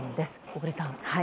小栗さん。